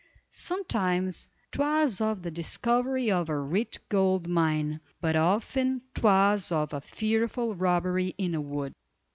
Sometimes 'twas of the discovery of a rich gold mine, but often 'twas of a fearful robbery in the wood.